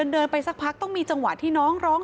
เดินไปสักพักต้องมีจังหวะที่น้องร้อง